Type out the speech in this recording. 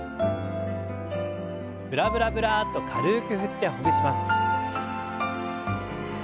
ブラブラブラッと軽く振ってほぐします。